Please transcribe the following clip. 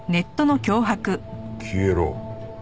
「消えろ！」